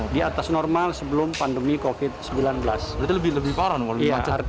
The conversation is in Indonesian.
di atas normal sebelum pandemi covid sembilan belas